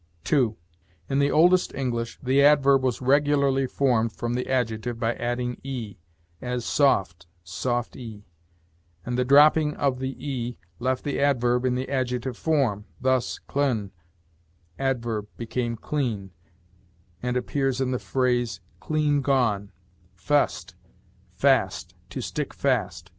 "(2.) In the oldest English the adverb was regularly formed from the adjective by adding 'e,' as 'soft, soft_e_,' and the dropping of the 'e' left the adverb in the adjective form; thus, 'clæne,' adverb, became 'clean,' and appears in the phrase 'clean gone'; 'fæste, fast,' 'to stick fast.'